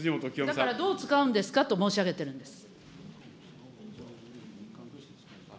だからどう使うんですかと申し上げているんです。